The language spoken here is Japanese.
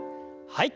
はい。